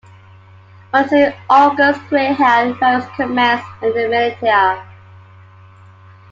Until August, Grey held various commands in the militia.